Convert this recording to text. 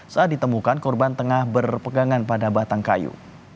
saat ditemukan korban tengah berpegangan pada batang kayu